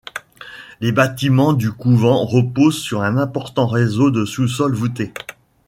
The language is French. Les bâtiments du couvent reposent sur un important réseau de sous-sols voûtés.